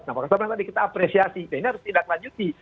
nah pokoknya tadi kita apresiasi nah ini harus tidak lanjuti